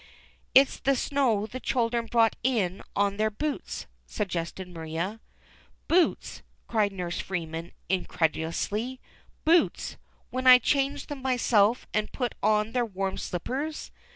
^^It's the snow the children brought in on their boots/' suggested Maria. Boots !" cried Nurse Freeman, incredulously. Boots ! when I changed them myself and put on their warm slippers